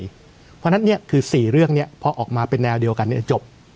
เพราะฉะนั้นคือ๔เรื่องนี้พอออกมาเป็นแนวเดียวกันจบ